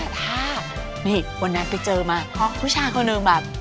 แต่ถ้านี่วันนั้นก็เจอมาภาคุณผู้ชายเขานึงแบบ